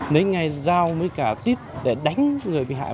nấy ngày giao với cả tiếp để đánh người bị hại